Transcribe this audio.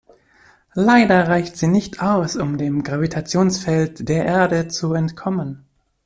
Leider reicht sie nicht aus, um dem Gravitationsfeld der Erde zu entkommen.